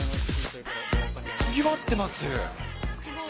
にぎわってます。